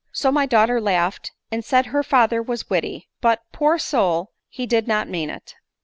9 So my daughter laughed, and said her father was witty ; but, poor soul he did not mean it.